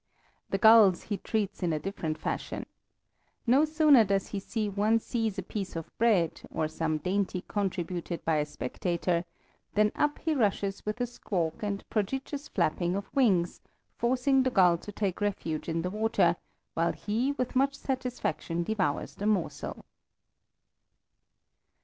The gulls he treats in a different fashion. No sooner does he see one seize a piece of bread, or some dainty contributed by a spectator, than up he rushes with a squawk and prodigious flapping of wings, forcing the gull to take refuge in the water, while he with much satisfaction devours the morsel.